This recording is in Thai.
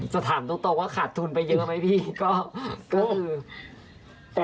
ถามตรงว่าขาดทุนไปเยอะไหมพี่ก็คือ